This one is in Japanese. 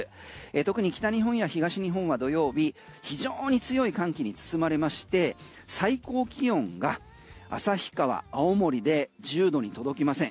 特に北日本や東日本は土曜日非常に強い寒気に包まれまして最高気温が旭川、青森で１０度に届きません。